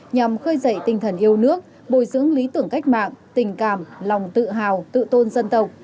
nhằm khơi dậy tinh thần yêu nước bồi dưỡng lý tưởng cách mạng tình cảm lòng tự hào tự tôn dân tộc